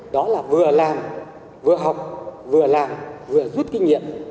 đó là vừa làm vừa học vừa làm vừa rút kinh nghiệm